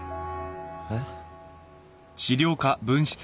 えっ？